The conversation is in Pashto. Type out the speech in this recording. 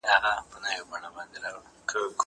زه اجازه لرم چي سبزېجات وخورم!؟